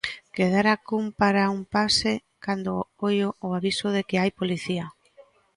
Quedara cun para un pase cando oio o aviso de que hai policía.